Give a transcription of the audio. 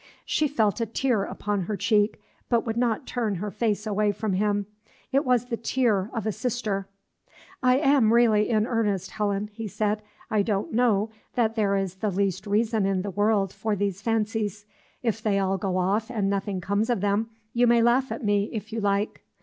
She felt a tear upon her cheek, but would not turn her face away from him; it was the tear of a sister. "I am really in earnest, Helen," he said. "I don't know that there is the least reason in the world for these fancies. If they all go off and nothing comes of them, you may laugh at me, if you like.